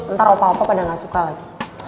ntar opa opo pada gak suka lagi